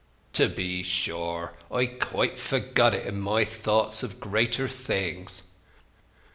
"To be sure—I'd quite forgot it in my thoughts of greater things!